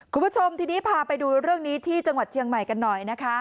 คุณผู้ชมทีนี้พาไปดูเรื่องนี้ที่จังหวัดเชียงใหม่กันหน่อยนะคะ